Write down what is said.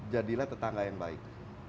jadilah tetangga yang baik